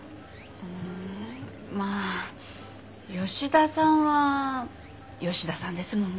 まあ吉田さんは吉田さんですもんね。